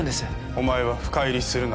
お前は深入りするな